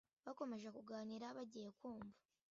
bakomeje kuganira bagiye kumva